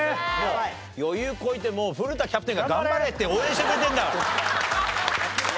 余裕こいて古田キャプテンが「頑張れ！」って応援してくれてるんだから。